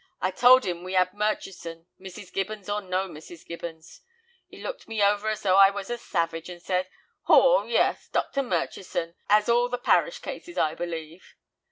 I told 'im we had Murchison, Mrs. Gibbins or no Mrs. Gibbins. 'E looked me over as though I was a savage, and said, 'Haw, yes, Dr. Murchison 'as all the parish cases, I believe.